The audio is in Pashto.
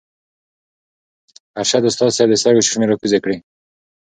ارشد استاذ صېب د سترګو چشمې راکوزې کړې